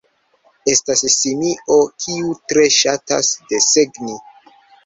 Estas simio kiu tre ŝatas desegni.